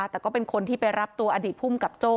แต่ก็เป็นคนที่ไปรับตัวอดีตภูมิกับโจ้